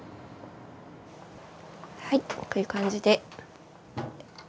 はいこういう感じで。